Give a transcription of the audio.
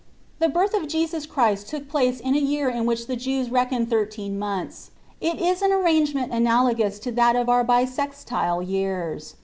The birth of Jesus Christ took place in a year in which the Jews reckon thirteen months. It is an arrangement analagous to that of our bissextile years.